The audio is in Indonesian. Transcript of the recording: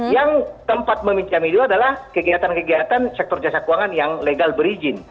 yang tempat meminjam itu adalah kegiatan kegiatan sektor jasa keuangan yang legal berizin